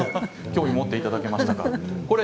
興味を持っていただけましたか。